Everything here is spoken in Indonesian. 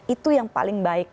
itu yang paling baik